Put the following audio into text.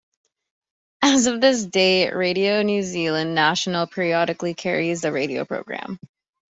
As of this date, Radio New Zealand National periodically carries the radio program.